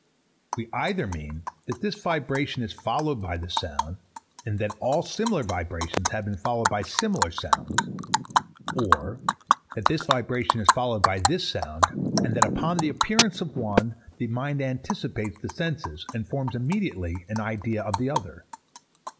We either mean that this vibration is followed by this sound, and that all similar vibrations have been followed by similar sounds: Or, _that this vibration is followed by this sound, and that upon the appearance of one the mind anticipates the senses, and forms immediately an idea of the other.